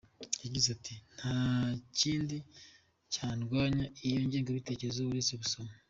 Yagize ati" Nta kindi cyarwanya iyo ngengabitekerezo uretse gusoma.